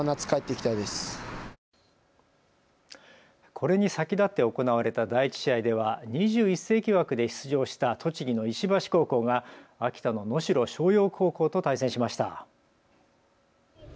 これに先立って行われた第１試合では２１世紀枠で出場した栃木の石橋高校が秋田の能代松陽高校と対戦しました。